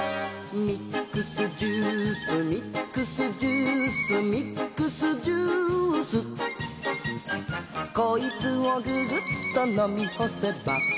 「ミックスジュースミックスジュース」「ミックスジュース」「こいつをググッとのみほせば」